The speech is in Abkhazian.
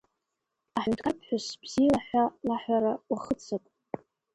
Аҳәынҭқарԥҳәыс бзиала ҳәа лаҳәара уахыццак.